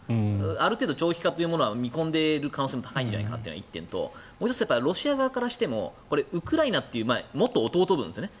ある程度長期化というものは見込んでいる可能性があるんじゃないかというのが１点ともう１つ、ロシア側からしてもウクライナというこれ、元弟分ですよね。